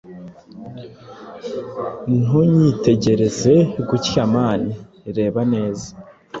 Ntunyitegereze gutyamani rebaneza